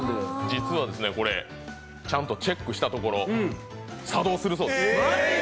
実はこれ、ちゃんとチェックしたところ、作動するそうです。